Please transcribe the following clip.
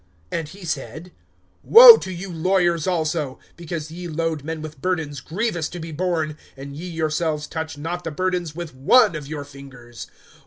(46)And he said: Woe to you lawyers also! because ye load men with burdens grievous to be borne, and ye yourselves touch not the burdens with one of your fingers.